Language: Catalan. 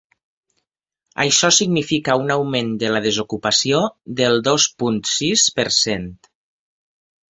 Això significa un augment de la desocupació del dos punt sis per cent.